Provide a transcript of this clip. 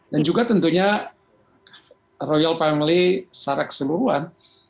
dan juga tentunya royal family secara keseluruhan